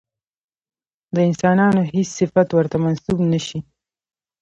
د انسانانو هېڅ صفت ورته منسوب نه شي.